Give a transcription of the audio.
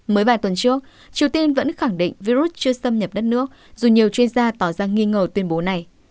mới vài tuần trước triều tiên vẫn khẳng định virus chưa xâm nhập đất nước dù nhiều chuyên gia tỏ ra nghi ngờ tuyên bố này